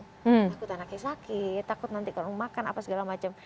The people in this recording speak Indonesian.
takut anaknya sakit takut nanti kalau mau makan apa segala macam